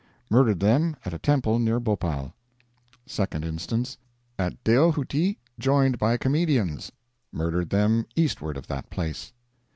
Murdered them at a temple near Bhopal." Second instance: "At Deohuttee, joined by comedians. Murdered them eastward of that place."